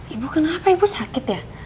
ibu kenapa ibu sakit ya